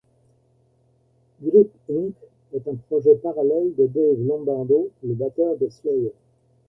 Grip Inc. est un projet parallèle de Dave Lombardo, le batteur de Slayer.